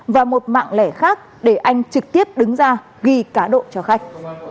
và một mạng lẻ khác để anh trực tiếp đứng ra ghi cá độ cho khách